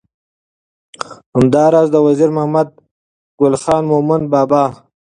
همدا راز د وزیر محمد ګل خان مومند بابا